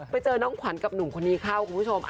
ไปเจอน้องขวัญกับหนุ่มคนนี้เข้าคุณผู้ชม